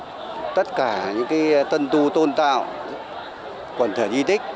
quần thị tất cả những tân tu tôn tạo quần thị tất cả những tân tu tôn tạo quần thị tất cả những tân tu tôn tạo